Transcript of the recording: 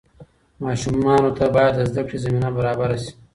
ماشومانو ته باید د زده کړې زمینه برابره سي.